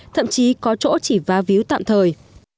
thậm chí có chỗ chỉ vá víu tạm thời